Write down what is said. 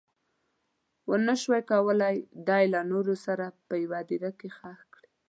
ونه شول کولی دی له نورو سره په یوه هدیره کې ښخ کړي.